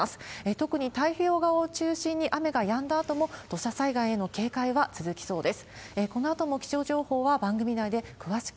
特に太平洋側を中心に、雨がやんだあとも土砂災害への警戒は続きそうです。